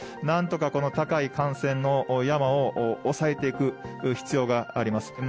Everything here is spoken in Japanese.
なんとかこの高い感染の山を抑えていく必要があります。